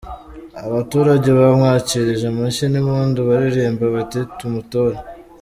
Abaturage bamwakirije amashyi n’impundu baririmba bati " Tumutore".